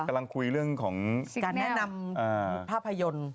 กำลังคุยเรื่องของการแนะนำภาพยนตร์